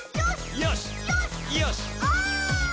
「よし！」